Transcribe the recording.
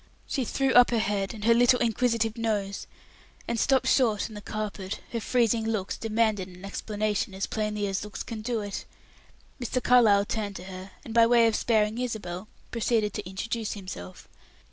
She threw up her head and her little inquisitive nose, and stopped short on the carpet; her freezing looks demanded an explanation, as plainly as looks can do it. Mr. Carlyle turned to her, and by way of sparing Isabel, proceeded to introduce himself.